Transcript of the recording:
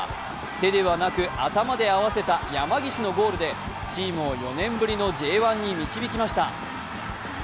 手ではなく頭で合わせた山岸のゴールでチームを４年ぶりのＪ１に導きました。